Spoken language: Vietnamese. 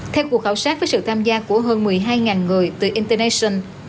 theo cuộc khảo sát với sự tham gia của hơn một mươi hai người từ internet